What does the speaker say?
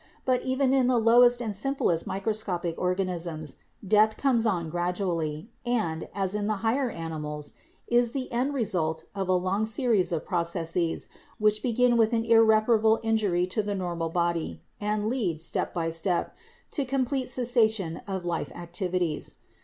But even in the lowest and simplest microscopic organisms death comes on gradually, and, as in the higher animals, is the end result of a long series of processes which begin with an irreparable injury to the normal body and lead, step by step, to complete cessation of life activities.